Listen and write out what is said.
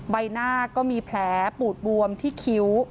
ใบหน้าก็มีแผลปูดบวมที่คิ้ว